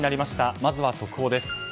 まずは速報です。